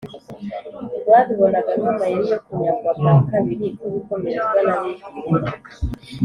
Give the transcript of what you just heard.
babibonaga nk' amayeri yo kunyagwa bwa kabiri kw' ibikomerezwa n' abifite.